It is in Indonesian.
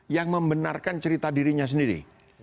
yang membenarkan cerita dirinya sendiri